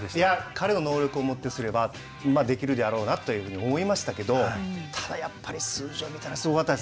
彼の能力をもってすればできるであろうなというふうに思いましたけどただやっぱり数字を見たらすごかったですね。